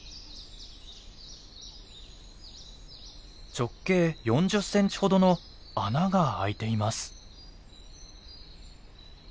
直径４０センチほどの穴があいています。